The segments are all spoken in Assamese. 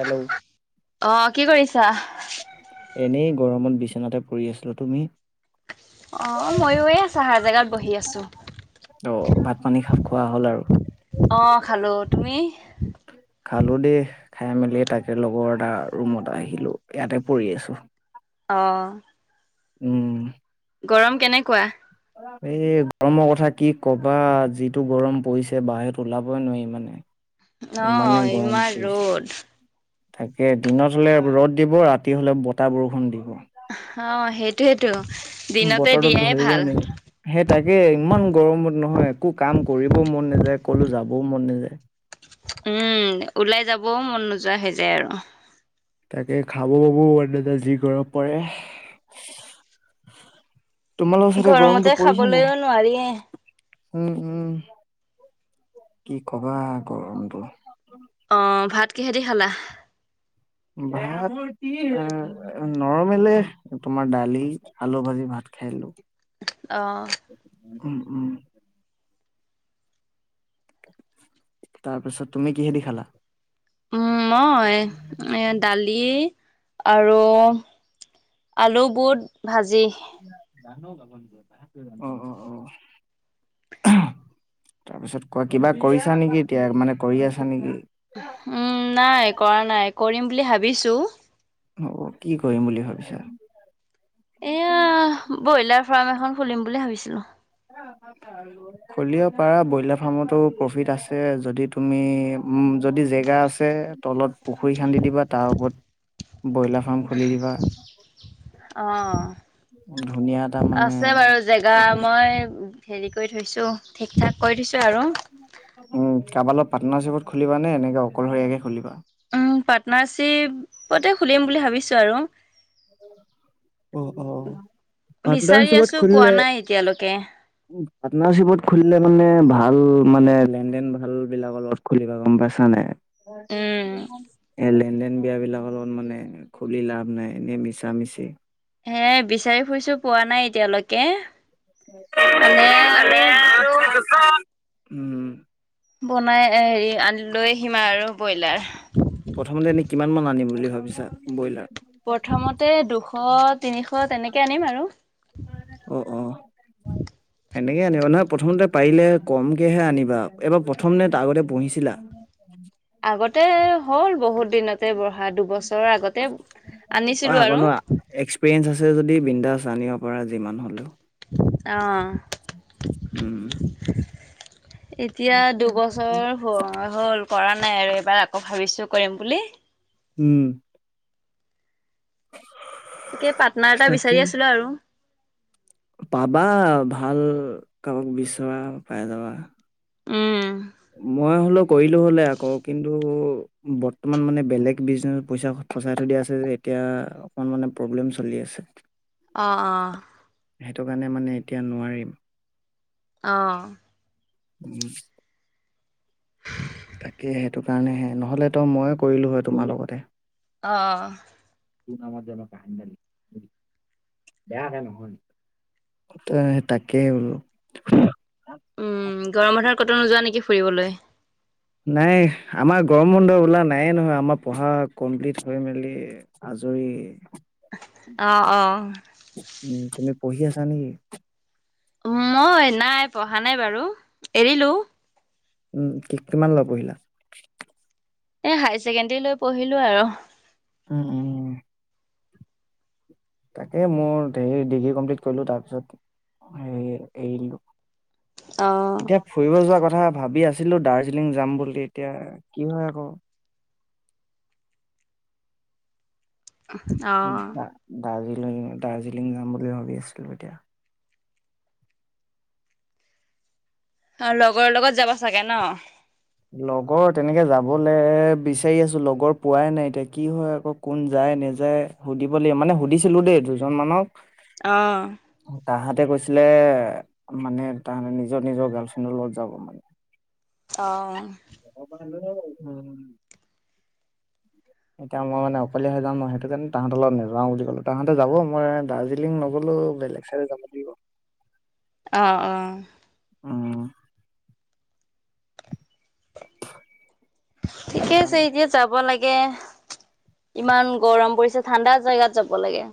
হেল্ল'। অ কি কৰিছা। এনেই গৰমত বিচনাতে পৰি আছিলা তুমি। অ ময়ো এই চাহাৰ জেগাত বহি আছো ভাত পানী খা। খোৱা হ'ল আৰু। অ খালো তুমি। খালো দেই খাই মেলি তাকে লগৰ এটা ৰুমত আহিলো ইয়াতে পৰি আছো। অ। উম। গৰম কেনেকোৱা। এই গৰমৰ কথা কি কবা যিটো গৰম পৰিছে বাহিৰত ওলাবই নোৱাৰি মানে। অ ইমানেই গৰম ইমান পৰিছে। ৰ'দ তাকে দিনত হলে ৰ'দ দিব ৰাতি হলে বতাহ বৰষুণ দিব। অ সেইটোয়েটো। বতৰটোত ধৰিবই নোৱাৰি সে তাকে ইমান গৰমত নহয়। একো কাম কৰিবও মন নাযায় কলো যাবও মন নাযায়। উম ওলাই যাবও মন নোযোৱা হৈ যায় আৰু। তাকে খাব পাব মন নেযায়। যি গৰম পৰে। তোমালোকৰওচতে গৰমতে গৰমটো পৰিছে নে। খাবলৈও নোৱাৰিয়ে [inaudible] উম উম কি কবা গম তো। অ' ভাত কিহেদি খালা? ভাত নৰমেলে তোমাৰ দালি আলু ভাজি ভাত। খাই দিলো। অ' উম উম। তাৰপিছত তুমি কিহেদি খালা? উম মই এ দালি। আৰু আলু বুট ভাজি। [inaudible] অ' অ' অ'। তাৰপিছত কোৱা কিবা কৰিছা নেকি? এতিয়া মানে কৰি আছা নেকি। উম নাই কৰা নাই কৰিম বুলি ভাবিছো। অ' কি কৰিম বুলি ভাবিছা। এয়া ব্ৰইলাৰ ফাৰ্ম এখন খুলিম বুলি ভাবিছিলো। খুলিব পাৰা ব্ৰইলাৰ ফাৰ্মতো প্ৰফিট আছে যদি তুমি। উম যদি জেগা আছে। তলত পুখুৰী খান্দি দিবা তাৰ ওপৰত। [unintelligible] ব্ৰইলাৰ ফাৰ্ম খুলি দিবা অ' ধুনীয়া এটা মানে আছে বাৰু জেগা মই হেৰি কৰি থৈছো ঠিক ঠাক কৰি থৈছ। উম কাৰবালত পাটনাৰশ্বিপত খুলিবা নে এনেকে অকলশৰীয়াকে খুলিবা। উম পাৰ্টনাৰশ্বিপতে খুলিম বুলি ভাবিছো আৰু। অ' অ' বিচাৰি পটনাৰচিপত আছো পোৱা খুলিলে। নাই এতিয়ালৈকে। পাটনাৰচিপত খুলিলে মানে ভাল মানে লেন দেন ভাল বিলাকৰ লগত খুলিবা গম পাইছা নাই। উম, এলে এ লেন বিলাকৰ লগত মানে খুলি লাভ নাই এনে মিছা মিছি হে বিচাৰি ফুৰিছো পোৱা নাই। এতিয়ালৈকে পালে আৰু উম বনাই হেৰি আনি লৈ আহিম আৰু ব্ৰইলাৰ প্ৰথমতে এনে কিমান [inaudible] কি আনিম আৰু অ অ সেনেকে আনিবা নহয়? প্ৰথমতে পাৰিলে কমকেহে আনিবা এইবাৰ প্ৰথম নে তাৰ আগতে পুহিছিলা। আগতে হ'ল। বহুত দিনতে বঢ়া দুবছৰৰ আগতে আনিছিলো অ' আৰু আগনো এক্সপিৰিয়েঞ্চ আছে। যদি বিন্দাচ আনিব পাৰা যিমান হলেও অ' উম এতিয়া দুবছৰ হ'ল। কৰা নাই আৰু এইবাৰ আকৌ ভাবিছো কৰিম বুলি। উম তাকে পাটনাৰ এটা তাকে বিচাৰি আছিলো আৰু পাবা ভাল কাৰোবাক বিচৰা পাই যাবা। উম মই হ'লেও। কৰিলো হলে আকৌ কিন্তু বৰ্তমান মানে বেলেগ বিজনেচ পইচা ফচাই থৈ দিয়া আছে যে এতিয়া অকণ মানে প্ৰব্লেম চলি আছে। অ' অ' সেইটো কাৰণে মানে এতিয়া নোৱাৰিম। অ' উম তাকে সেইটো কাৰণেহে নহলে তো মই কৰিলো হয় তোমাৰ লগতে অ অ তোৰ নামত জানো কাহানিবা লিখো তাকেই বোলো উম গৰম বন্ধত ক'তো নোযোৱা নেকি ফুৰিবলৈ নাই আমাৰ গৰম বন্ধ বোলা নায়ে নহয় আমাৰ পঢ়া কমপ্লিট হৈ মেলি আজ আজৰি অ অ উম তুমি পঢ়ি আছা নেকি মই নাই পঢ়া নাই বাৰু এৰিলো উম কি কিমানলৈ পঢ়িলা এ হাই ছেকেণ্ডৰী লৈ পঢ়িলো আৰু উম উম তাকে মোৰ হেৰি ডিগ্ৰী কমপ্লিট কৰিলো তাৰপিছত হেৰী এৰি দিলোঁ অ এতিয়া ফুৰিব যোৱা কথা ভাবি আছো ছিলো দাৰ্জিলিং যাম বুলি এতিয়া কি হয় আক দাৰ্জিলিং দাৰ্জিলিং যাম বুলি ভাবি আছিলো এতিয়া অ লগৰ লগত যাবা চাগে ন লগৰ তেনেকে যাবলে বিচাৰি আছো লগৰ পোৱাই নাই এতিয়া কি হয় আকৌ কোন যায় নেযায় সুধিব লাগ মানে সুধিছিলো দেই দুজন মানক অ ততে কৈছিলে মানে তাহাতে নিজৰ নিজৰ গাৰ্লফ্ৰেণ্ডৰ লগত যাব মানে অ উম [inaudible] এতিয়া মই মানে অকলীয়া হৈ যাম মই সেইটো কাৰণে তাহাঁতৰ লগত নাযাও বুলি ক'লো তাহঁতে যাব মই দাৰ্জিলিং নগলো বেলেগ চাইডে যাব লাগিব অহ অহ অ সেইটো ঠিকে আছে কাৰণে এতিয়া যাব লাগে। ইমান গৰম পৰিছে ঠাণ্ডা জেগাত যাব লাগে।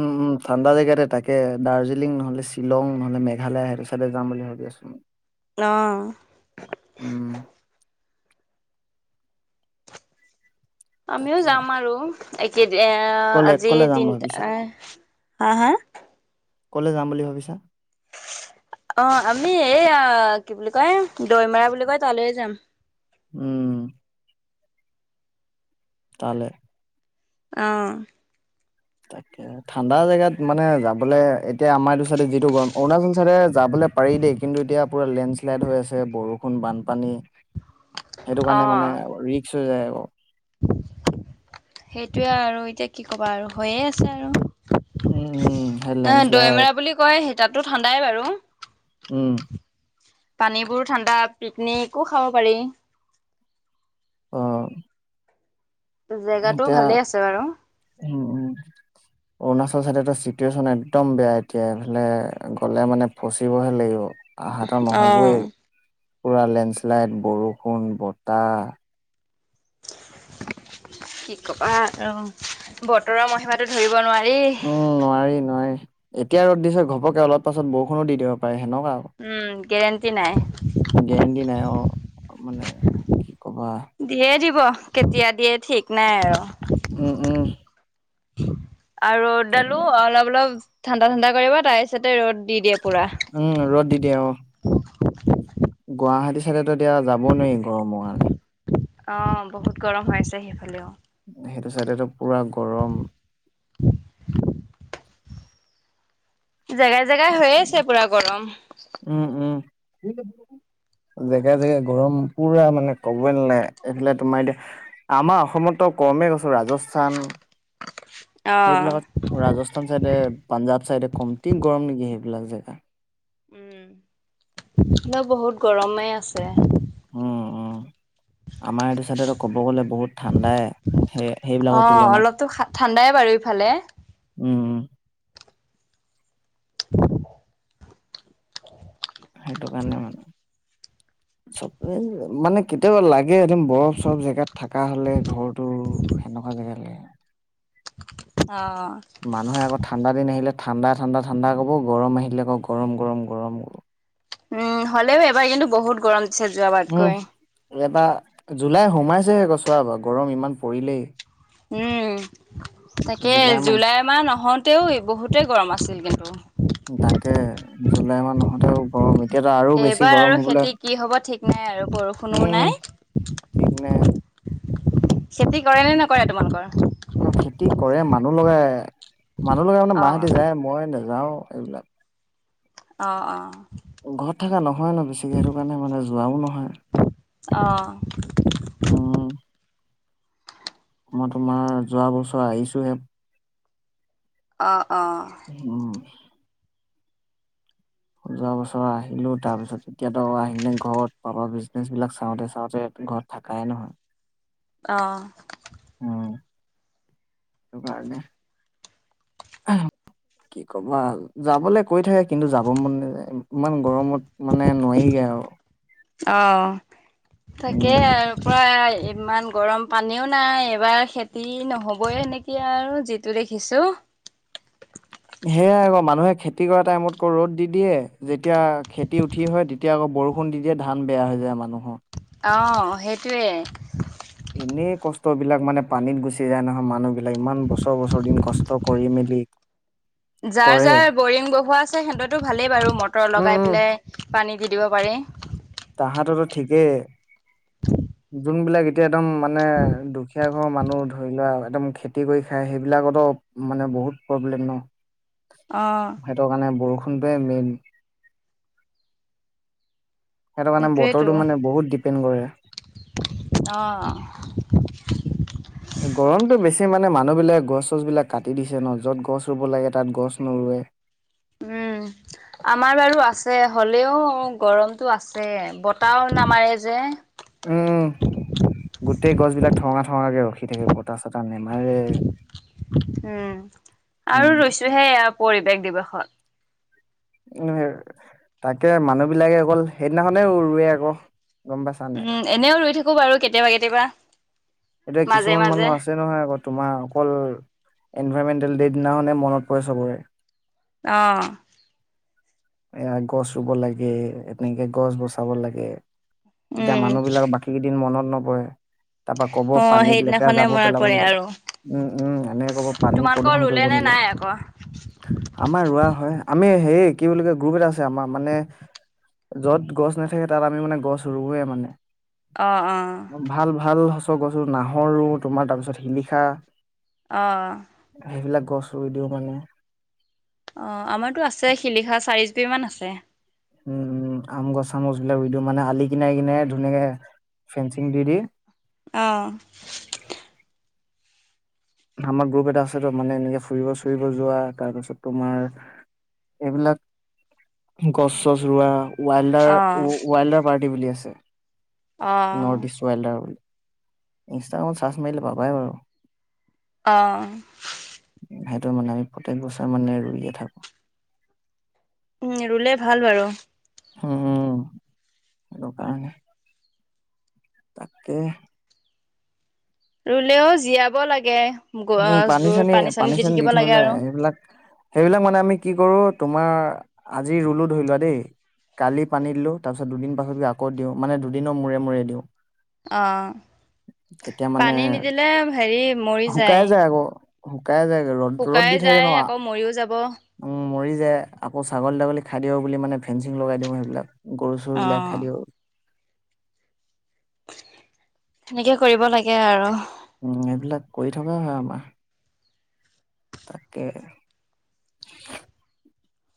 উম উম ঠাণ্ডা জেগাতে তাকে দাৰ্জিলিং নহলে শ্বিলং নহ'লে মেঘালয় সেইটো চাইডে যাম বুলি ভাবি আছো। চো অ আমিও তাকে যাম আৰু এইকেদিন এ ক'লে আজি ক'লে যাম ভাবিছা তিনিটা হা হা কলে যাম বুলি ভাবিছা? [unintelligible] অ আমি এইয়া কি বুলি কয় দৈমেৰা বুলি কয় তালৈ যাম। উম তালে অহ তাকে ঠাণ্ডা জেগাত মানে যাবলৈ এতিয়া আমাৰ এইটো চাইডে যিটো গৰম অৰুণাচল চাইডে যাবলে পাৰি দেই কিন্তু এতিয়া পুৰা লেণ্ডশ্লাইড হৈ আছে বৰষুণ বানপানী সেইটো অ কাৰণে মানে ৰিক্স হৈ যায় আক সেইটোয়ে আৰু এতিয়া কি ক'বা আৰু হৈয়ে আছে উম আৰু উম সেই এ লেণ্ডশ্লাইড দৈমেৰা বুলি কয় সি তাতো ঠাণ্ডাই বাৰু উম পানীবোৰো ঠাণ্ডা পিকনিকো খাব পাৰি। আহ জেগাটো এতিয়া ভালে আছে বাৰু উম চ চাইডো চিটুৱেশ্যন একদম বেয়া এতিয়া এইফালে গ'লে মানে ফচিবহে লাগিব। আহাত নহ'বই অ পোৰা লেণ্ডশ্লাইড বৰষুণ বতাহ। কি কবা অ' বতৰৰ মহিমাটো ধৰিব নোৱাৰি। উম নোৱাৰি নোৱাৰি এতিয়া ৰ'দ দিছে ঘপকে অলপ পাছত বৰষুণ দি দিব পাৰে। সেনেকুৱা আৰু উম গেৰেণ্টি নাই গেৰেণ্টি নাই অ' মানে কি কবা দিয়ে দিব। কেতিয়া দিয়ে ঠিক নাই আৰু উম উম আৰু ৰ'দডালো অলপ অলপ ঠাণ্ডা ঠাণ্ডা কৰিব তাৰ পিছতে ৰ'দ দি দিয়ে। পুৰা উম ৰ'দ দি দিয়ে অ' গুৱাহাটী চাইডো এতিয়া যাব নোৱাৰি। গৰমৰ কাৰণে অ' বহুত গৰম হৈ আছে সেইফালে অ' সেইটো চাইডটো পোৰা গৰম। জেগাই জেগাই হৈ আছে। পোৰা গৰম কি [unintelligible] জেগা জেগা গৰম পোৰা মানে কবই নালাগে। এইফালে তোমাৰ এতিয়া আমাৰ অসমত কমে কইছো ৰাজস্থান অ সেইবিলাকত ৰাজস্থান চাইডে পাঞ্জাব চাইডে কমতি গৰম নেকি সেইবিলাক জেগা উম বহুত গৰমে আছে। অ' অ' আমাৰ এইটো চাইদটো ক'ব গ'লে বহুত ঠাণ্ডাই সেই অ সেইবিলাকৰ তুলনাত অলপতো ঠাণ্ডাই বাৰু ইফালে উম উম উ [inaudible] সেইটো কাৰণে মানে [unintelligible] চবে মানে কেতিয়াবা লাগে একদম বৰফ চৰফ জেগাত থকা হ'লে ঘৰটো সেনেকুৱা আজি কালি [inaudible] অ মানুহে আকৌ ঠাণ্ডা দিন আহিলে। ঠাণ্ডা, ঠাণ্ডা, ঠাণ্ডা ক'ব গৰম আহিলে আকৌ গৰম গৰম গৰম কৰ। উম, হ'লেও এবাৰ কিন্তু বহুত গৰম দিছে যোৱাবাৰাতকৈ। এটা জুলাই সোমাইছেহে গছোৱা বাৰু গৰম ইমান পৰিলেই। উম, তাকে জুলাই মাহ নহওঁতেও বহুতেই গৰম আছিল কিন্তু তাকে জুলাই মাহ নহতও গৰম এতিয়াতো আৰু বেছি এইবাৰ গৰম আৰু হবলৈ খেতি কি হ'ব ঠিক নাই আৰু বৰষুণোও উম নাই। ঠিক নাই। খেতি কৰে নে নকৰে তোমালোকৰ অ' খেতি কৰে মানু মানুহ লগাই মানুহ লগাই মানে অ মাহতি যায়। মই নাযাওঁ‌ এইবিলাক অ' অ'। ঘৰত থকা নহয় ন বেছিকে সেইটো কাৰণে মানে যোৱাও নহয়। উম অ' মই তোমাৰ যোৱা বছৰ আহিছোহে অ' অ উম। যোৱা বছৰ আহিলো। তাৰ পিছত এতিয়া আহিনে ঘৰত পাব বিজনেচ বিলাক চাওঁতে চাওঁতে ঘৰত থাকাই নহয়। অহ ', উম সেইটো কাৰণে। কি কবা যাবলৈ কৈ থাকে। কিন্তু যাব মন নাযায় ইমান গৰমত মানে নোৱাৰিগৈ আৰু। অ, তাকে উম আৰু প্ৰায় ইমান গৰম পানীও নাই এইবাৰ খেতি নহ'বই সেনেকে আৰু যিটো দেখিছো। [inaudible] সেয়াই আকৌ মানুহে খেতি কৰা টাইমত আকৌ ৰ'দ দি দিয়ে যেতিয়া খেতি উঠি হয় তেতিয়া আকৌ বৰষুণ দি - দিয়ে ধান বেয়া হৈ যায় মানুহৰ। অ, সেইটোৱেই। এনেই কষ্টবিলাক মানে পানীত গুচি যায় নহয় মানুহবিলাক ইমান বছৰ - বছৰ দিন কষ্ট কৰি মেলি যাৰ - কৰে যাৰ বৰিং বহোৱা আছে সিহততো ভালেই বাৰু মটৰ উম লগাই উম পেলাই পানী দি - দিব পাৰে। তাহাতো ঠিকেই যোনবিলাক এতিয়া একদম মানে দুখীয়া অ, মানুহ ধৰি লোৱা একদম খেতি কৰি খাই সেইবিলাকতো মানে বহুত প্ৰব্লেম ন। অ সেইটো কাৰণে বৰষুণটোৱে মেইন। সেইটো কাৰণে সেইটোৱেইতো বতৰটো মানে বহুত ডিপেণ্ড কৰে। অ গৰমতটো বেছি মানে মানুহবিলাকে গছ চছ বিলাক কাটি দিছে ন য'ত গছ ৰুব লাগে তাত গছ নৰুয়। উম, উম আমাৰ বাৰু আছে হ'লেও গৰমতটো আছে বতাহও নামাৰে যে। উম, গোটেই গছ বিলাক ঠঙা - ঠঙাকে ৰখি থাকে বতাহ চাত উম, উম আৰু ৰৈছোহে এয়া পৰিৱেশ দিৱসত। উম, তাকে মানুহ বিলাকে গ'ল সেইদিনাখনেও ৰুৱে আকৌ। গম পাইছা নাই উম, এনেও ৰুই থাকো বাৰু কেতিয়াবা - কেতিয়াবা। এতিয়া মাজে কিছুমান মাজে মানুহ আছে নহয় আকৌ তোমাৰ অকল এনভাইৰমেন্টেল ডে দিনাখনে মনত পৰে চবৰে। অহ ', এয়া গছ ৰুব লাগে এনেকে গছ বচাব লাগে। এতিয়া উম মানুহ বিলাকৰ বাকী কেইদিন মনত নপৰে। তাৰপা ক'ব অ পানীত লেতেৰা সেইদিনাখনে যাব মনত পেলাব পৰে নালাগে আৰু উম - উম এনেকে কব পানী তোমালোকৰ প্ৰদূষন ৰুলে কৰিব নে, নাই আকৌ আমাৰ ৰোৱা হয়। আমি হে কি বুলি কয় গ্ৰুপ এটা আছে আমাৰ মানে য'ত গছ নাথাকে তাত আমি মানে গছ ৰুৱে মানে। অ অ ভাল ভাল সচ গছো নাহৰ ৰু তোমাৰ তাৰ পিছত শিলিখা। অহ। সেইবিলাক গছ ৰুই দিও মানে। অ, আমাৰতো আছে শিলিখা চাৰি জুপি মান আছে। উম - উম আম গছ চামুচ বিলাক ৰুই দিও মানে আলি কিনাই কিনে ধুনীয়াকে ফেন্ঞ্চিং দি - দি। অহ ', আমাৰ গ্ৰুপ এটা আছে ত, মানে এনেকে ফুৰিব - ফুৰিব যোৱা তাৰপাছত তোমাৰ এইবিলাক গছ চছ ৰোৱা। ৱাইল্ডাৰ অ ৱাইল্ডাৰ পাৰ্টি বুলি আছে। অ নৰ্থ ইষ্ট ৱাইল্ডাৰ বুলি ইনষ্টাগ্ৰামত চাৰ্চ মাৰিলে পাবাই বাৰু। অহ ', সেইটো মানে আমি প্ৰতেক বছৰ মানে ৰুইয়ে থাকো। উম, ৰুলে ভাল বাৰু। উম, এইটো কাৰনে। তাকে। ৰুলেও জীয়াব লাগে। উম পানী চানী পানী চানী দি থাকিব লাগে। সেইবিলাক সেইবিলাক মানে আমি কি কৰো তোমাৰ আজি ৰুলো ধৰি লোৱা দেই কালি পানী দিলো, তাৰ পিছত দুদিন পাছত আকৌ দিওঁ মানে দুদনৰ মূৰে মূৰে দিওঁ। অ তেতিয়া মানে পানী নিদিলে হেৰি মৰি শুকাই যায় আকৌ শুকাই যায় ৰ'দ ৰ'দ দি শুকাই থাকে ন। যায় আকৌ মৰিও যাব উম মৰি যাই, আকৌ ছাগলী ছাগলী খাই দিওঁ বুলি মানে ফেঞ্চিং লগাই দিওঁ সেইবিলাক গৰু চৰু অ বিলাক খাই দিয়ে। সেনেকে কৰিব লাগে আৰু। উম এইবিলাক কৰি থকা হয় আমাৰ। তাকে।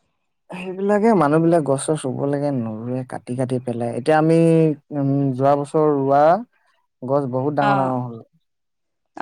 উ [inaudible] সেইবিলাকে মানুহ বিলাক গছ ছছ ৰুব লাগে নৰুৱে কাটি কাটি পেলাই এতিয়া আমি উম যোৱা বছৰ ৰোৱা গছ বহুত ডাঙৰ ডাঙৰ অ হ'ল।